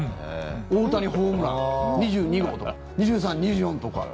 大谷、ホームラン、２２号とか２３、２４とか。